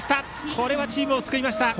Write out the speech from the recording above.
これはチームを救いました。